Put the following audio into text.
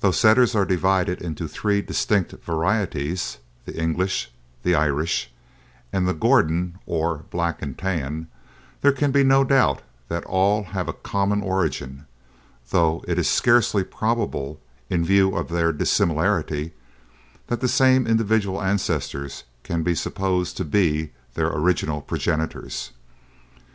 Though Setters are divided into three distinct varieties, The English, the Irish and the Gordon, or Black and Tan there can be no doubt that all have a common origin, though it is scarcely probable, in view of their dissimilarity, that the same individual ancestors can be supposed to be their original progenitors.